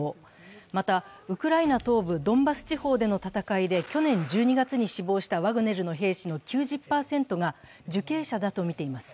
またウクライナ東部ドンバス地方での戦いで去年１２月に死亡したワグネルの兵士の９０％が受刑者だとみています。